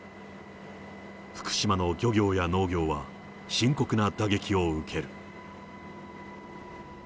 福島の漁業や農業は、深刻な打撃を受ける。